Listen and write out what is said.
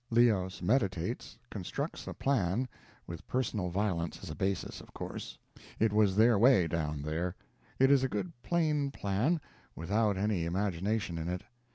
Leos meditates, constructs a plan with personal violence as a basis, of course. It was their way down there. It is a good plain plan, without any imagination in it.